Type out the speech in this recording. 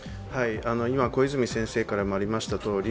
今、小泉先生からもありましたとおり、